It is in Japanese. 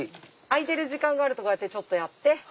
空いてる時間があるとこうやってちょっとやって。